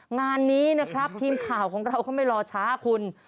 งานนี้นะครับทีมข่าวของเราก็ไม่รอช้าคุณ